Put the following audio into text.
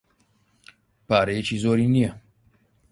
پارەیەکی زۆری نییە.